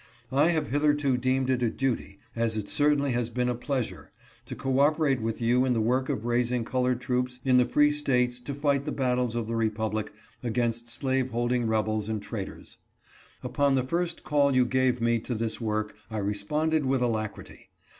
I ha v e hitherto deemed it a duty, as it certainly has been a pleasure, to cooperate with you in the work of raising colored troops in the free States to fight the battles of the Republic against slaveholding rebels and traitors. Upon the first call you gave me to this work I responded with alacrity.